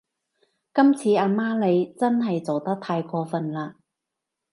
今次阿媽你真係做得太過份喇